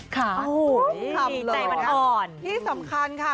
คำล้อนครับครับพี่สำคัญค่ะ